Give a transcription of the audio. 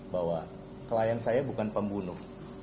bahwa klien saya bukan pembunuh